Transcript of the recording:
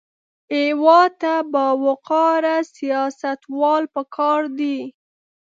هېواد ته باوقاره سیاستوال پکار دي